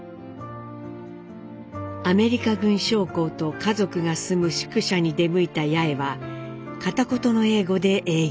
アメリカ軍将校と家族が住む宿舎に出向いた八重は片言の英語で営業。